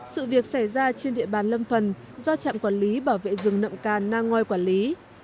sự việc xảy ra trên địa bàn lâm phần do trạm quản lý bảo vệ rừng nậm càn nangoi quản lý